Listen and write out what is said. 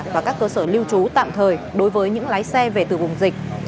và các cơ sở lưu trú tạm thời đối với những lái xe về từ vùng dịch